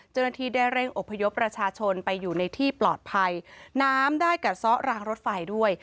เจ้าหน้าที่ได้เร่งอบพยพประชาชนไปอยู่ในที่ปลอดภัยน้ำได้กัดซ้อรางรถไฟด้วย